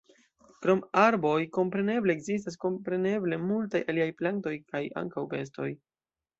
Krom arboj kompreneble ekzistas kompreneble multaj aliaj plantoj kaj ankaŭ bestoj.